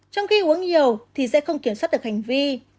trong khi uống nhiều thì sẽ không kiểm soát được hành vi